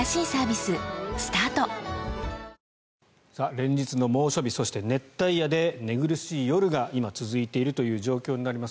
連日の猛暑日そして熱帯夜で寝苦しい夜が今続いているという状況になります。